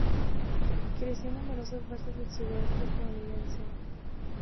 Creció en numerosas bases del sudoeste estadounidense.